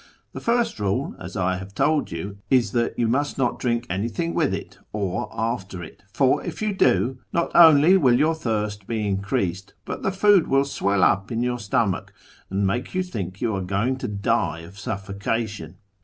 The first rule, as I have told you, is that you must not drink anything with it or after it ; for, if you do, not only will your thirst be increased, but the food will swell up in your stomach and make you think you are going to die of suffocation.